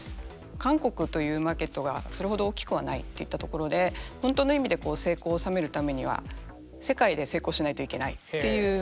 韓国というマーケットがそれほど大きくはないといったところで本当の意味で成功を収めるためには世界で成功しないといけないという。